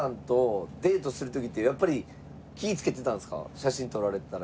写真撮られたら。